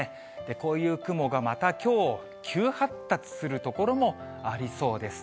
こういう雲がまたきょう、急発達する所もありそうです。